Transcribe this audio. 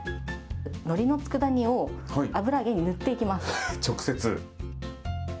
のりのつくだ煮を、油揚げに塗っていき直接？